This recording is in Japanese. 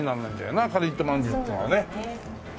なかりんとまんじゅうっていうのはね。